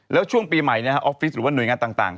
แล้วช่วงปีใหม่ออฟฟิศหรือว่าหน่วยงานต่าง